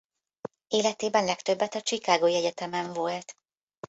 Életében legtöbbet a Chicagói Egyetemen volt.